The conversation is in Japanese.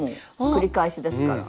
繰り返しですから。